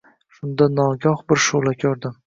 Shunda nogoh bir shuʼla koʼrdim